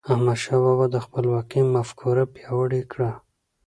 احمدشاه بابا د خپلواکی مفکوره پیاوړې کړه.